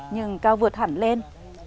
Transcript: nhưng cao vượt hẳn lên